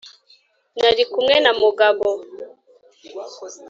nali kumwe na mugabo.